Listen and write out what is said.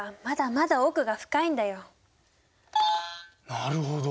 なるほど。